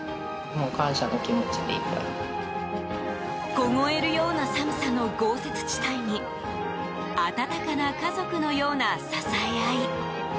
凍えるような寒さの豪雪地帯に温かな家族のような支え合い。